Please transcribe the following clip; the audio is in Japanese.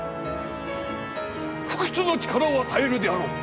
不屈の力を与えるであろう！